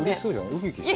うきうきしてる？